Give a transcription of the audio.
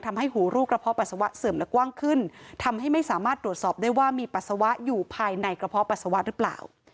ทำให้หูลูกกระเพาะปัสสาวะเสื่อมและกว้างขึ้นทำให้ไม่สามารถตรวจสอบได้ว่ามีปัสสาวะอยู่ภายในกระเพาะปัสสาวะหรือเปล่า